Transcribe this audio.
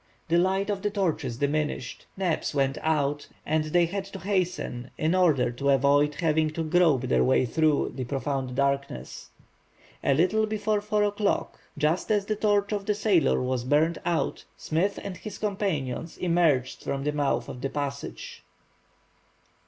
The light of the torches diminished; Neb's went out, and they had to hasten in order to avoid having to grope their way through, the profound darkness. A little before 4 o'clock, just as the torch of the sailor was burnt out, Smith and his companions emerged from the mouth of the passage.